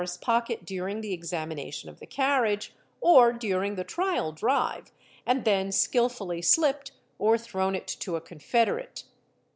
's pocket during the examination of the carriage or during ae trial drive and then skilfully slipped or thrown it to a confederate.